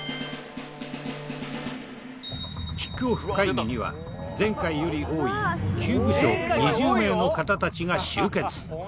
キックオフ会議には前回より多い９部署２０名の方たちが集結。